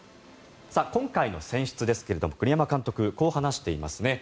今回の選出ですが栗山監督はこう話していますね。